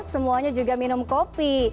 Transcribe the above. semuanya juga minum kopi